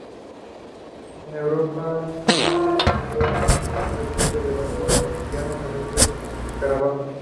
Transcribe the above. En Europa, Fraxinus excelsior es la principal especie de fresno colonizada por este escarabajo.